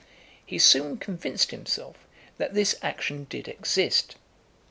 He soon convinced himself that this action did exist.